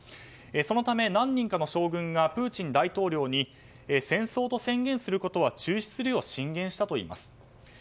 そのため、何人かの将軍がプーチン大統領に戦争と宣言することは中止するよう進言したといいます。